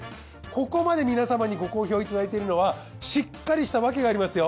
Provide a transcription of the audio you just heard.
ここまで皆様にご好評いただいているのはしっかりした訳がありますよ。